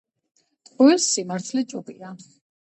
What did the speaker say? ტყუილს სიმართლე ჯობია❤️🔥